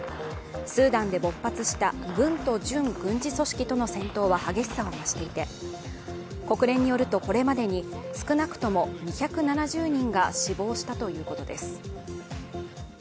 スーダンで勃発した軍と準軍事組織との戦闘は激しさを増していて国連によると、これまでに少なくとも２７０人が死亡したということです。